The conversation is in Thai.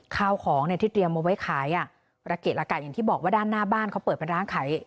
ข้าวของเนี่ยที่เตรียมเอาไว้ขายอ่ะระเกะละกะอย่างที่บอกว่าด้านหน้าบ้านเขาเปิดเป็นร้านขาย